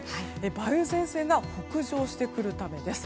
梅雨前線が北上してくるためです。